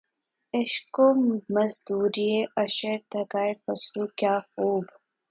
عشق و مزدوریِ عشر تگہِ خسرو‘ کیا خوب!